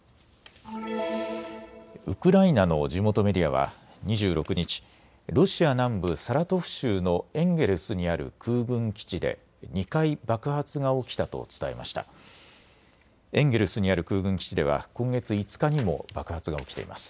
ウクライナの地元メディアは２６日、ロシア南部サラトフ州のエンゲルスにある空軍基地で２回爆発が起きたと伝えました。